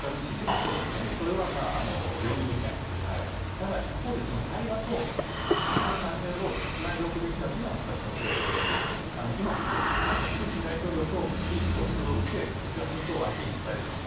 それは容認できないことですからただ、一方で対話のチャンネルをつないでおくべきだというのは全くそのとおりで今もそうですけどもプーチン大統領と意思疎通をしてこちらの意図を相手に伝える。